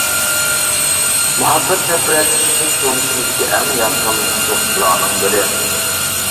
مۇھەببەت نەپرەت كىشىلىك تۇرمۇشىمىزدىكى ئەڭ يارقىن نوختىلارنىڭ بىرى.